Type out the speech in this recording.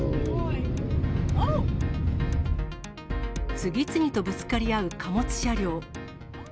次々とぶつかり合う貨物車両。